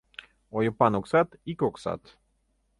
Ойыпан оксат — ик оксат.